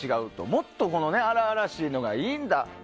もっと荒々しいのがいいんだと。